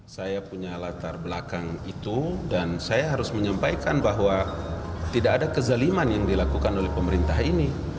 saya punya latar belakang itu dan saya harus menyampaikan bahwa tidak ada kezaliman yang dilakukan oleh pemerintah ini